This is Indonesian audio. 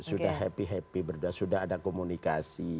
sudah happy happy berdua sudah ada komunikasi